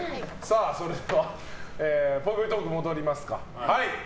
それではぽいぽいトークに戻りますか。